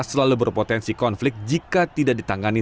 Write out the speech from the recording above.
selalu berpotensi konflik jika tidak ditangani